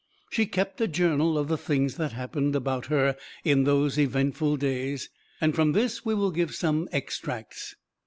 She kept a journal of the things that happened^ about her in those eventful days, and from this we will give some extracts.